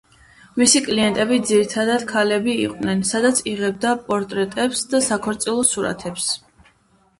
მისი კლიენტები ძირითადად ქალები იყვნენ, სადაც იღებდა პორტრეტებს და საქორწილო სურათებს.